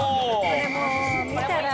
これもう見たらね。